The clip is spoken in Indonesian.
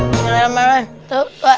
harusnya kita pindah ke luar